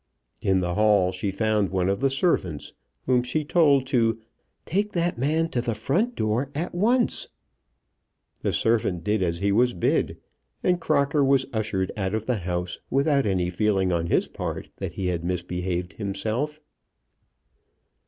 In the hall she found one of the servants, whom she told to "take that man to the front door at once." The servant did as he was bid, and Crocker was ushered out of the house without any feeling on his part that he had misbehaved himself.